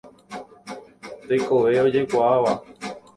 Tekove ojekuaáva.